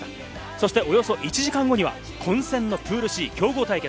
そして、およそ１時間後には混戦のプールＣ、強豪対決。